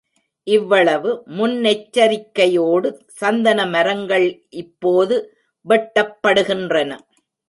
இவ்வளவு முன்னெச்சரிக்கையோடு சந்தன மரங்கள் இப்போது வெட்டப்படுகின்றன.